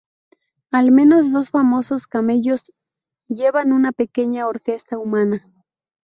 Al menos dos famosos camellos llevan una pequeña orquesta humana.